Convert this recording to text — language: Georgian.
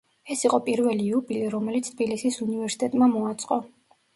ეს იყო პირველი იუბილე, რომელიც თბილისის უნივერსიტეტმა მოაწყო.